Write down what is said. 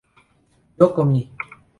yo comí